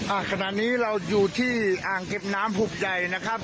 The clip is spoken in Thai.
ขณะนี้เราอยู่ที่อ่างเก็บน้ำหุบใหญ่นะครับ